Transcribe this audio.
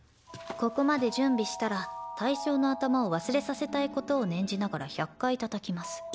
「ここまで準備したら対象の頭を忘れさせたいことを念じながら１００回たたきます」。